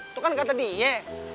itu kan kata dia